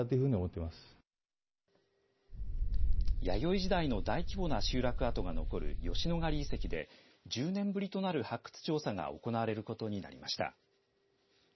弥生時代の大規模な集落跡が残る吉野ヶ里遺跡で１０年ぶりとなる発掘調査が行われることになりました。